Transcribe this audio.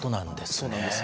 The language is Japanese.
そうなんですね。